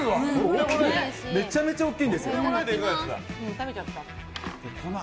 めちゃめちゃ大きいんです。